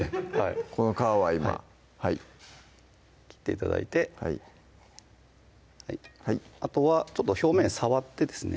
この皮は今切って頂いてはいあとは表面触ってですね